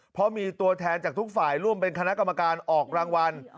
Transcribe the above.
เพราะมีตัวแทนจากทุกฝ่ายร่วมเป็นคณะกรรมการออกรางวัล